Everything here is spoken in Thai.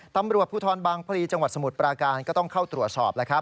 ตำรวจภูทรบางพลีจังหวัดสมุทรปราการก็ต้องเข้าตรวจสอบแล้วครับ